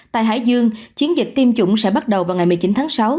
tại hải dương chiến dịch tiêm chủng sẽ bắt đầu vào ngày một mươi chín tháng sáu